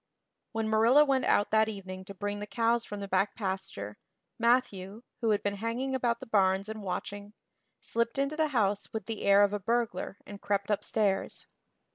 When Marilla went out that evening to bring the cows from the back pasture, Matthew, who had been hanging about the barns and watching, slipped into the house with the air of a burglar and crept upstairs.